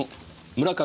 村上？